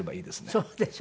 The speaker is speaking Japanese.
そうですよ。